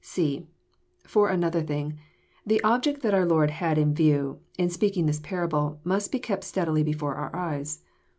(c) For another thing, the object that our Lord had in view, in speaking this parable, must be kept steadily before our eyes.